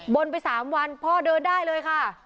บนไป๓วันพ่อเดินได้เลยค่ะ